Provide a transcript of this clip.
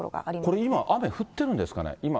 これ今、雨降ってるんですかね、今。